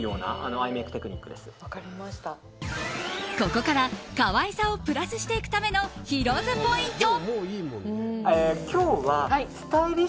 ここから可愛さをプラスしていくためのヒロ’ｓポイント。